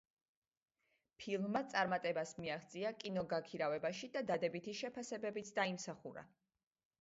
ფილმმა წარმატებას მიაღწია კინოგაქირავებაში და დადებითი შეფასებებიც დაიმსახურა.